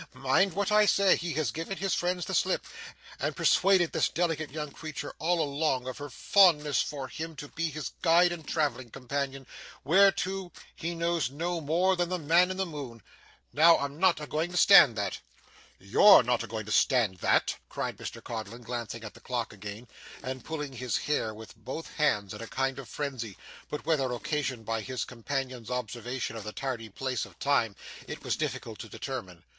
Mind what I say he has given his friends the slip, and persuaded this delicate young creetur all along of her fondness for him to be his guide and travelling companion where to, he knows no more than the man in the moon. Now I'm not a going to stand that.' 'YOU'RE not a going to stand that!' cried Mr Codlin, glancing at the clock again and pulling his hair with both hands in a kind of frenzy, but whether occasioned by his companion's observation or the tardy pace of Time, it was difficult to determine.